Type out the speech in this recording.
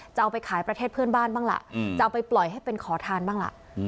จะเอาไปขายประเทศเพื่อนบ้านบ้างล่ะจะเอาไปปล่อยให้เป็นขอทานบ้างล่ะ